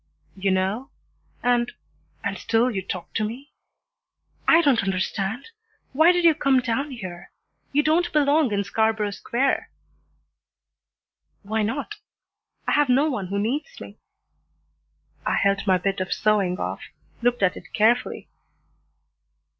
"You know and and still you talk to me? I don't understand. Why did you come down here? You don't belong in Scarborough Square." "Why not? I have no one who needs me." I held my bit of sewing off, looked at it carefully.